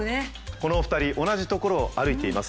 このお二人同じ所を歩いています。